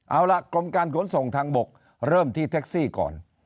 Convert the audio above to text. เอาล่ะกรมการขนส่งทางบกเริ่มที่แท็กซี่ก่อน